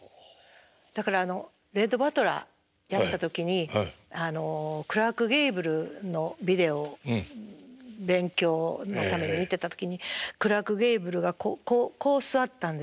だからレット・バトラーやってた時にクラーク・ゲーブルのビデオを勉強のために見てた時にクラーク・ゲーブルがこう座ったんですよ。